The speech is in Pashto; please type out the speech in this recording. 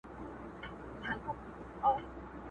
پلو مي باد واخیست وړیا دي ولیدمه!.